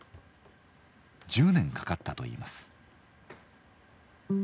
１０年かかったといいます。